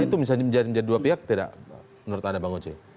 itu bisa menjadi dua pihak tidak menurut anda bang oce